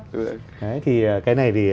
đấy thì cái này thì